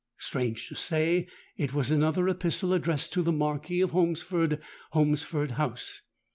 Strange to say, it was another epistle addressed 'To the Marquis of Holmesford, Holmesford House.'